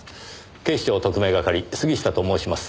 警視庁特命係杉下と申します。